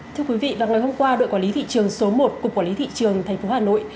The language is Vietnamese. thưa quý vị vào ngày hôm qua đội quản lý thị trường số một cục quản lý thị trường tp hà nội